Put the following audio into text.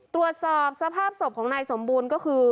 ตรวจสอบสภาพศพของนายสมบูรณ์ก็คือ